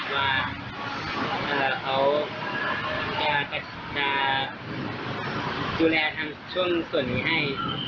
ว่าเขาจะดูแลทำช่วงส่วนนี้ให้